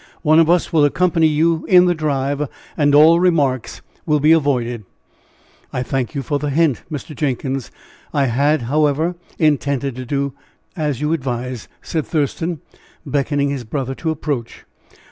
One of us will accompany you in the drive, and all remarks will be avoided." "I thank you for the hint, Mr. Jenkins; I had, how ever, intended to do as you advise," said Thurston, beckoning his brother to approach.